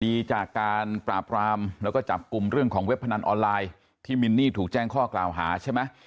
คดีจากการปราบรามแล้วก็จับกลุ่มเรื่องของเว็บพนันออนไลน์ที่มินนี่ถูกแจ้งข้อกล่าวหาใช่ไหม